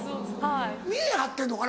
見え張ってるのかな？